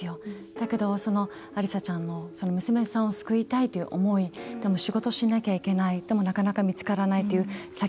だけど、アリサちゃん娘さんを救いたいという思い、仕事しなくてはいけないでも、なかなか見つからない。